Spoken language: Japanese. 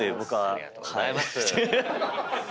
ありがとうございます。